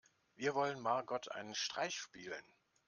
Wir wollen Margot einen Streich spielen.